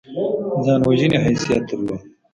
ځان وژنې حیثیت درلود.